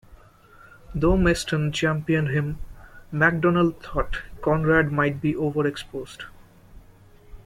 Though Meston championed him, Macdonnell thought Conrad might be overexposed.